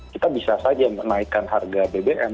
kita bisa saja menaikkan harga bbm